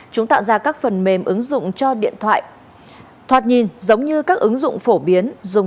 chúng tạo ra các phần mềm ứng dụng cho điện thoại thoạt nhìn giống như các ứng dụng phổ biến